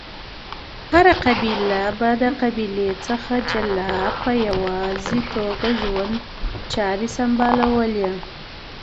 هره قبیله به د قبیلی څخه جلا په یواځی توګه ژوند چاری سمبالولی